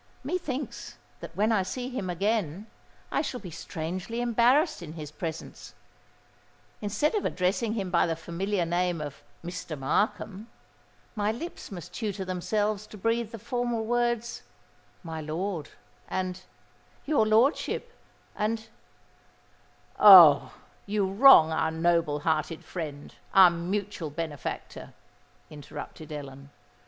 "Methinks that when I see him again, I shall be strangely embarrassed in his presence:—instead of addressing him by the familiar name of Mr. Markham, my lips must tutor themselves to breathe the formal words 'My Lord,' and 'Your Lordship;' and——" "Oh! you wrong our noble hearted friend—our mutual benefactor," interrupted Ellen.